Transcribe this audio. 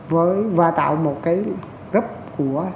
và tạo một cái group của